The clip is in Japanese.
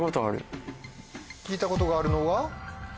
聞いたことがあるのは？